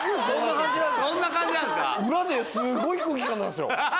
そんな感じなんですか？